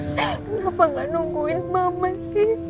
hah kenapa gak nungguin mama sih